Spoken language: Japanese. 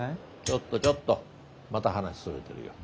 ちょっとちょっとまた話それてるよ。